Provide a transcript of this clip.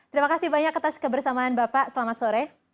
terima kasih banyak atas kebersamaan bapak selamat sore